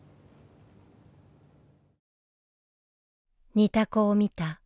「似た子を見た」